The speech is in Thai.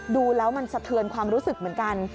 ดูแล้วมันสะเทือนความรู้สึกเหมือนกัน